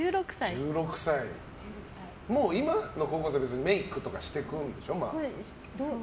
今の高校生は別にメイクとかしていくでしょ。